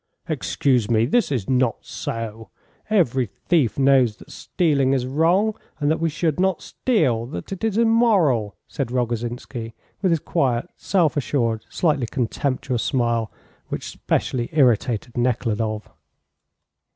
"Excuse me, this is not so; every thief knows that stealing is wrong, and that we should not steal; that it is immoral," said Rogozhinsky, with his quiet, self assured, slightly contemptuous smile, which specially irritated Nekhludoff.